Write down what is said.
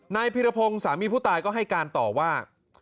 พิรพงศ์สามีผู้ตายก็ให้การต่อว่า